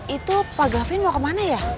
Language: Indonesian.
itu pak gavin mau kemana ya